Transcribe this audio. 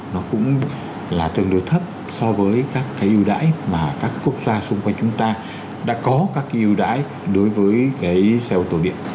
nó cũng là tương đối thấp so với các cái ưu đãi mà các quốc gia xung quanh chúng ta đã có các cái ưu đãi đối với cái xe ô tô điện